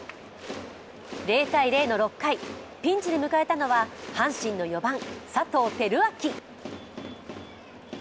０−０の６回、ピンチで迎えたのは阪神の４番・佐藤輝明。